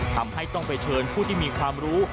ทำให้ต้องไปเชิญผู้ที่มีความรู้